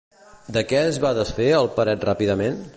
De què es va desfer el Peret ràpidament?